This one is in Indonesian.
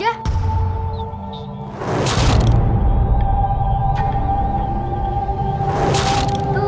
ya aku mau pergi